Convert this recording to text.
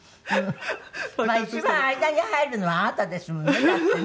まあ一番間に入るのはあなたですもんねだってね。